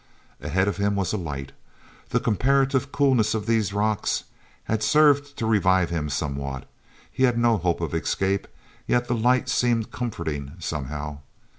Ahead of him was a light. The comparative coolness of these rocks had served to revive him somewhat. He had no hope of escape, yet the light seemed comforting, somehow.